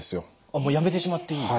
あっもうやめてしまっていい？